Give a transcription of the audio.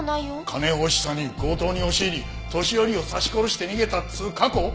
金欲しさに強盗に押し入り年寄りを刺し殺して逃げたっつう過去。